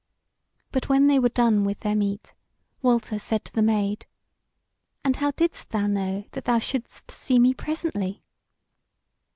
But when they were done with their meat, Walter said to the Maid: "And how didst thou know that thou shouldst see me presently?"